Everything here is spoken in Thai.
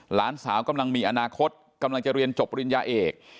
หลานสาวกำลังมีอนาคตกำลังจะเรียนจบปริญญาเอก